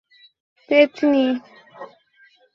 যেন নর্ম বের হয়ে ভেন্টের ময়লা পরিষ্কার করতে পারে।